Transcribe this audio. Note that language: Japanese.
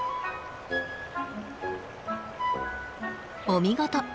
お見事！